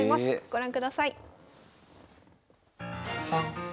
ご覧ください。